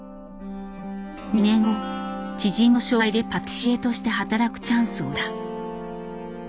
２年後知人の紹介でパティシエとして働くチャンスを得た。